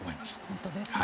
本当ですね。